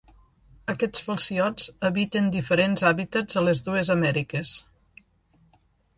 Aquests falciots habiten diferents hàbitats a les dues Amèriques.